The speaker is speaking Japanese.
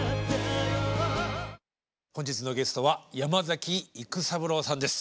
本日のゲストは山崎育三郎さんです。